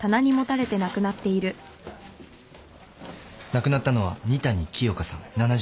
亡くなったのは仁谷清香さん７２歳。